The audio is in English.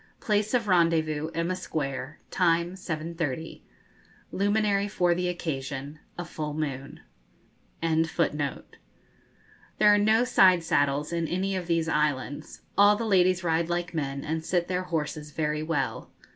Place of rendezvous, Emma Square: time, seven thirty; Luminary for the occasion, a full moon.'] There are no side saddles in any of these islands; all the ladies ride like men, and sit their horses very well.